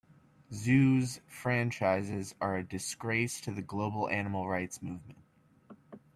Zoos franchises are a disgrace to the global animal rights movement.